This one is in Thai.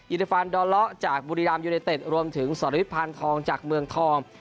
อิริฟฟันดอเลาะจากบุรีรัมยูเนเต็ดรวมถึงสรยุทธพานทองจากเมืองทอง